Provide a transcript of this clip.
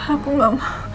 aku nggak mau